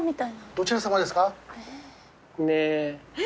どちらさまですか？